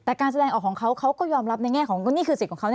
แต่การแสดงออกของเขาเขาก็ยอมรับในแง่ของนี่คือสิทธิ์ของเขา